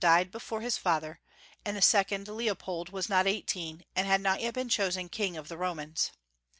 died before his father, and the second, Leopold, was not eighteen, and had not yet been chosen King of the Romans.